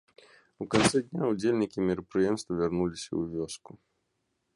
У канцы дня ўдзельнікі мерапрыемства вярнуліся ў вёску.